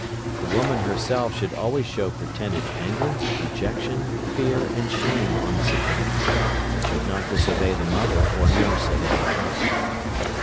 The woman herself should always show pretended anger, dejection, fear, and shame on this account, but should not disobey the mother or nurse at any time.